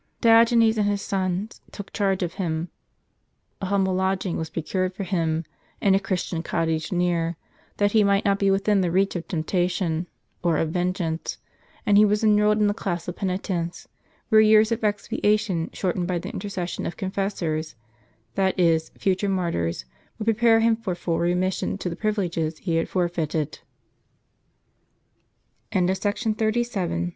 Diogenes and his sons took charge of him. An humble lodging was procured for him, in a Christian cottage near, that he might not be within the reach of temptation, or of vengeance, and he was enrolled in the class of penitents, where years of expiation, shortened by the intercession of con fessors— that is, future martyrs — would prepare him for full re admission to the privileges he had forfe